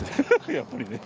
やっぱりね。